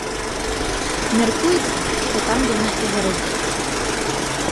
Мяркуецца, што там яна і заразілася.